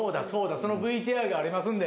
そのＶＴＲがありますんで。